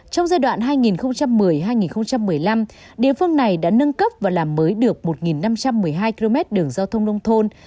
trong giai đoạn hai nghìn một mươi hai nghìn một mươi năm địa phương này đã nâng cấp và làm mới được một năm trăm một mươi hai km đường giao thông nông thôn